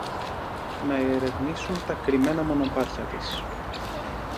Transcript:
να ερευνήσουν τα κρυμμένα μονοπάτια της,